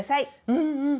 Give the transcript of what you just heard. うんうん！